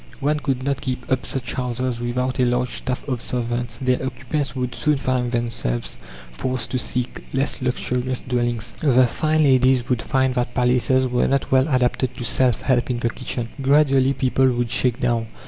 One could not "keep up" such houses without a large staff of servants. Their occupants would soon find themselves forced to seek less luxurious dwellings. The fine ladies would find that palaces were not well adapted to self help in the kitchen. Gradually people would shake down.